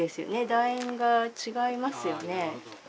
だ円が違いますよね。